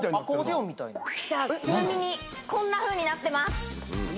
ちなみにこんなふうになってます。